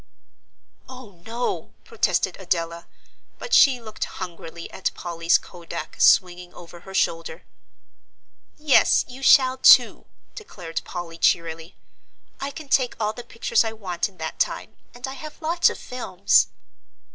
"Oh, no," protested Adela; but she looked hungrily at Polly's kodak swinging over her shoulder. "Yes, you shall too," declared Polly, cheerily. "I can take all the pictures I want in that time, and I have lots of films."